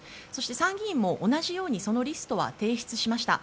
参議院も同じようにそのリストを提出しました。